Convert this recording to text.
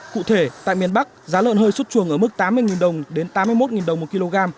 cụ thể tại miền bắc giá lợn hơi xuất chuồng ở mức tám mươi đồng đến tám mươi một đồng một kg